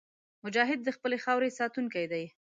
مجاهد د خپلې خاورې ساتونکی دی.